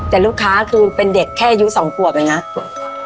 แต่ลูกค้าคือเป็นเด็กแค่ยุสองกวบนะครับ